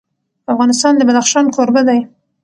افغانستان د بدخشان کوربه دی.